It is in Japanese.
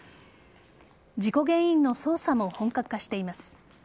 事故原因の捜査も本格化しています。